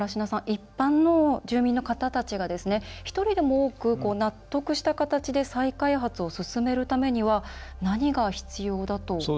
一般の住民の方たちが一人でも多く納得した形で再開発を進めるためには何が必要だと？